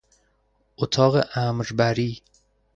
اتاق امربری